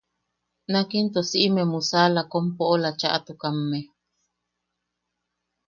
Nak into siʼime musala kom poʼola chaʼatukamme.